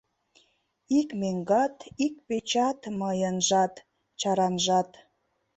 Ик меҥгат, ик печат Мыйынжат, чаранжат.